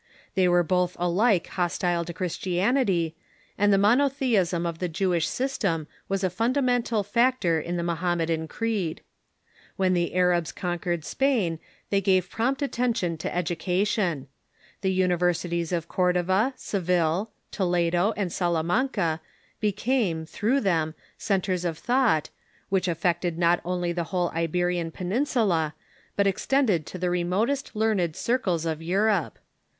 Tliey were both alike hostile to Christianity, and the monotheism of the Jewish S3'stem was a fundamental 172 THE MEDIAEVAL CHURCH factor in the Mohammedan creed. When the Arabs con quered Spain tliey gave prompt attention to education. The universities of Cordova, Seville, Toledo, and Salamanca be came, through them, centres of thought, which affected not only the whole Iberian peninsula, but extended to the remotest learned circles of Europe.